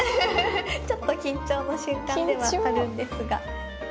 ちょっと緊張の瞬間ではあるんですが。